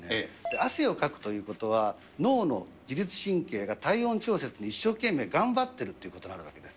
汗をかくということは、脳の自律神経が体温調節に一生懸命、頑張ってるっていうことになるわけです。